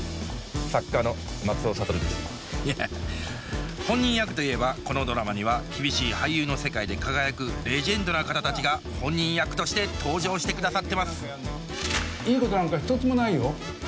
いや本人役といえばこのドラマには厳しい俳優の世界で輝くレジェンドな方たちが本人役として登場してくださってますいいことなんか一つもないよ。